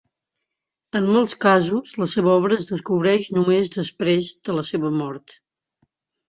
En molts casos, la seva obra es descobreix només després de la seva mort.